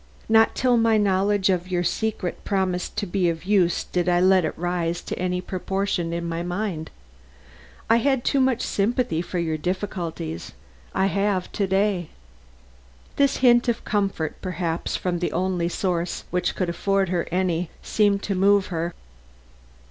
Not till my knowledge of your secret promised to be of use did I let it rise to any proportion in my mind. I had too much sympathy for your difficulties; I have to day." This hint of comfort, perhaps from the only source which could afford her any, seemed to move her.